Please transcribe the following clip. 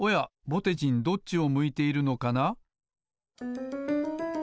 ぼてじんどっちを向いているのかな？